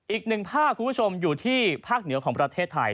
อีกหนึ่งภาคคุณผู้ชมอยู่ที่ภาคเหนือของประเทศไทย